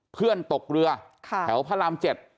เพื่อนตกเรือแถวพระราม๗